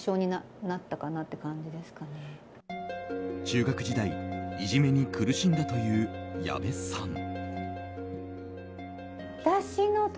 中学時代、いじめに苦しんだという矢部さん。